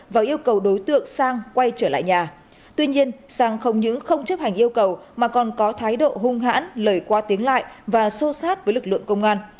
và yêu cầu đối tượng sang quay trở lại nhà tuy nhiên sang không những không chấp hành yêu cầu mà còn có thái độ hung hãn lời qua tiếng lại và sô sát với lực lượng công an